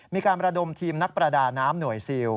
มีการประดมทีมนักประดาน้ำหน่วยซิล